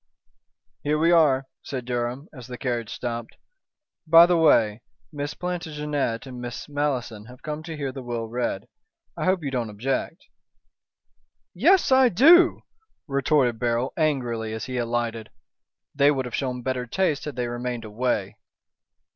"Here we are," said Durham, as the carriage stopped. "By the way, Miss Plantagenet and Miss Malleson have come to hear the will read. I hope you don't object." "Yes, I do," retorted Beryl, angrily, as he alighted. "They would have shown better taste had they remained away."